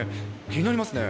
気になりますね。